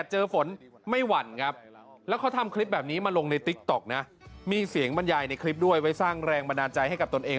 ให้สร้างแรงบัญญาณใจให้กับตนเอง